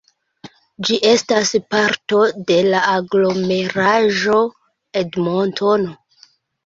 Ĝi estas parto de la Aglomeraĵo Edmontono.